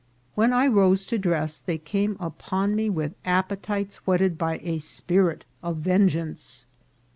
When I rose to dress they came upon me with appetites whet ted by a spirit of vengeance.